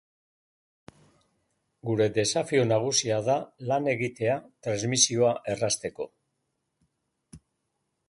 Gure desafio nagusia da lan egitea transmisioa errazteko.